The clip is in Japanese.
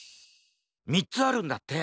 ３つあるんだって！